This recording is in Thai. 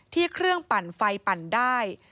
เครื่องปั่นไฟปั่นได้